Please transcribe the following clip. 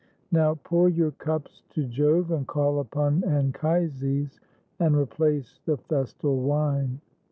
Now pour your cups to Jove, and call upon Anchises, and replace the festal wine."